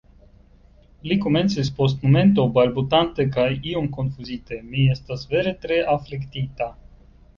Li komencis post momento, balbutante kaj iom konfuzite, -- mi estas vere tre afliktita.